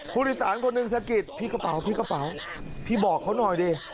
ผู้โดยสารคนหนึ่งสะกิดพี่กระเป๋าพี่กระเป๋าพี่บอกเขาหน่อยดิ